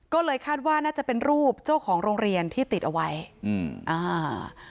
ก็เลยคาดว่าน่าจะเป็นรูปเจ้าของโรงเรียนที่ติดเอาไว้อืมอ่า